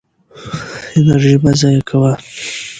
انرژي مه ضایع کوه.